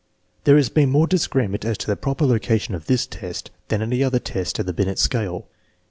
There has been more disagreement as to the proper loca tion of this test than of any other test of the Binet scale.